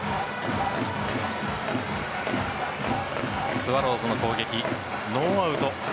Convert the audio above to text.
スワローズの攻撃、ノーアウト。